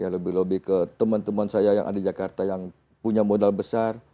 lebih lobby ke teman teman saya yang ada di jakarta yang punya modal besar